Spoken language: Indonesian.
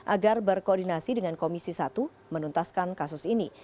agar berkoordinasi dengan komisi satu menuntaskan kasus ini